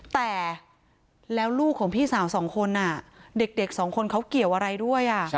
แต่แล้วลูกของพี่สาวสองคนเด็กสองคนเขาเกี่ยวอะไรด้วย